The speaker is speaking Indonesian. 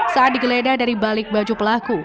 saat digeledah dari balik baju pelaku